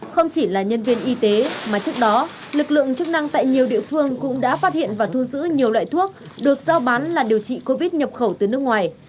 không chỉ là nhân viên y tế mà trước đó lực lượng chức năng tại nhiều địa phương cũng đã phát hiện và thu giữ nhiều loại thuốc được giao bán là điều trị covid nhập khẩu từ nước ngoài